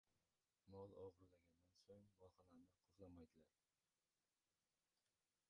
• Mol o‘g‘irlangandan so‘ng molxonani qulflamaydilar.